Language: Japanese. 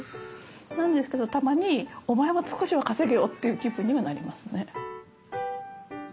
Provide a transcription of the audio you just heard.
なんですけどたまにお前も少しは稼げよっていう気分にはなりますね。